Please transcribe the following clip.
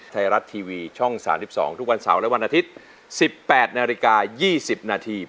ไทยรัฐทีวีช่อง๓๒ทุกวันเสาร์และวันอาทิตย์๑๘นาฬิกา๒๐นาที